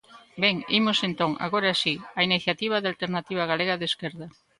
Ben, imos entón, agora si, á iniciativa de Alternativa Galega de Esquerda.